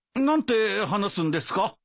何て話すんですか？